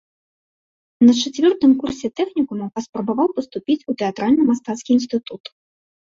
На чацвёртым курсе тэхнікума паспрабаваў паступіць у тэатральна-мастацкі інстытут.